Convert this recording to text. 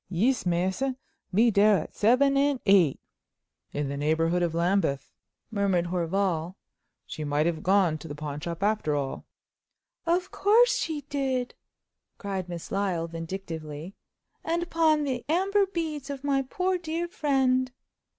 "Yis, masse; me dere at seven and eight." "In the neighbourhood of Lambeth," murmured Horval. "She might have gone to the pawn shop after all." "Of course she did!" cried Miss Lyle, vindictively—"and pawned the amber beads of my poor dead friend!"